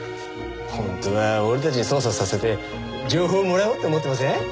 本当は俺たちに捜査させて情報をもらおうって思ってません？